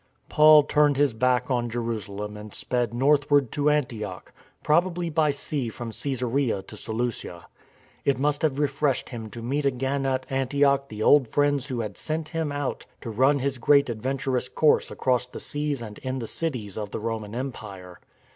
Paul turned his back on Jerusalem and sped north ward to Antioch — probably by sea from Csesarea to Seleucia. It must have refreshed him to meet again at Antioch the old friends who had sent him out to run his great adventurous course across the seas and in the cities of the Roman Empire.